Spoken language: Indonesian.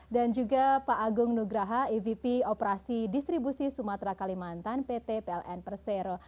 dan juga pak agung nugraha evp operasi distribusi sumatera kalimantan pt pln persero